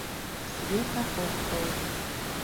Света ок тол.